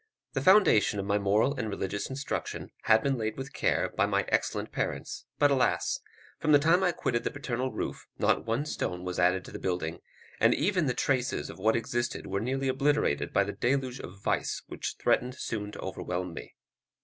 The foundation of my moral and religious instruction had been laid with care by my excellent parents; but, alas! from the time I quitted the paternal roof not one stone was added to the building, and even the traces of what existed were nearly obliterated by the deluge of vice which threatened soon to overwhelm me.